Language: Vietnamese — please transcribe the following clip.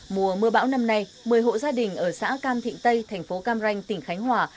mùa mưa bão năm nay một mươi hộ gia đình ở xã cam thịnh tây thành phố cam ranh tỉnh khánh hòa